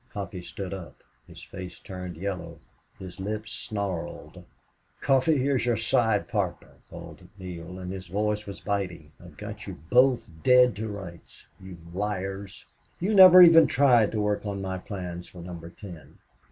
Coffee stood up. His face turned yellow. His lips snarled. "Coffee, here's your side partner," called Neale, and his voice was biting. "I've got you both dead to rights, you liars!... You never even tried to work on my plans for Number Ten."